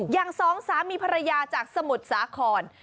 อย่างสองสามีภรรยาจากสมุทรสาขอน